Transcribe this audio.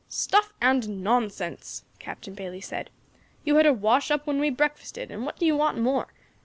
"Stuff and nonsense!" Captain Bayley said. "You had a wash up when we breakfasted, and what do you want more?